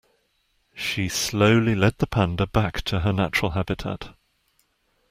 She slowly led the panda back to her natural habitat.